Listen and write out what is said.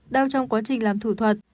đau trong quá trình làm thủ thuật